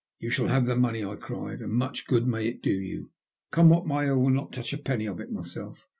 '' Tou shall have the money," I cried. " And much good may it do you. Come what may, I will not touch a penny of it myself.